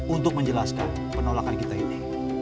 untuk menjelaskan penolakan kita ini